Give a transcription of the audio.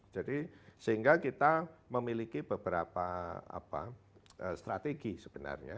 jadi sehingga kita memiliki beberapa strategi sebenarnya